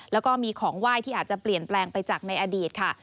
แล้วก็มีของไหว้ที่อาจจะเปลี่ยนแปลงไปจากในอดีตค่ะ